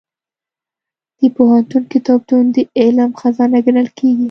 د پوهنتون کتابتون د علم خزانه ګڼل کېږي.